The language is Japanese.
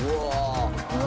「うわ！」